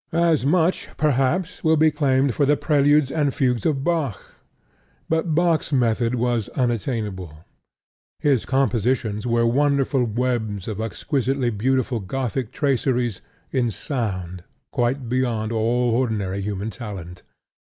As much, perhaps, will be claimed for the preludes and fugues of Bach; but Bach's method was unattainable: his compositions were wonderful webs of exquisitely beautiful Gothic traceries in sound, quite beyond all ordinary human talent.